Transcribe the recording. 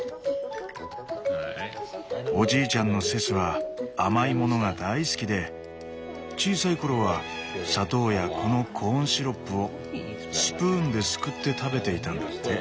おじいちゃんのセスは甘いものが大好きで小さい頃は砂糖やこのコーンシロップをスプーンですくって食べていたんだって。